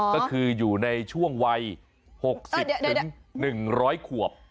ก็คืออยู่ในช่วงวัย๖๐๑๐๐ขวบ